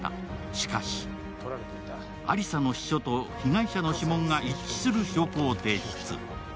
しかし、亜理紗の秘書と被害者の指紋が一致する証拠を提出。